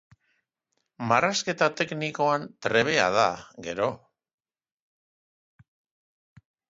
Marrazketa teknikoan trebea da, gero.